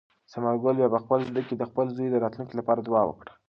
ثمر ګل په خپل زړه کې د خپل زوی د راتلونکي لپاره دعا وکړه.